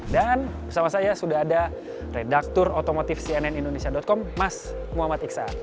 dan bersama saya sudah ada redaktur otomotif cnn indonesia com mas muhammad iksa